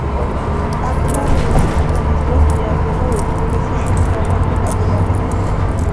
კაპილარული სისხლდენის დროს ზიანდება უწვრილესი სისხლძარღვები -კაპილარები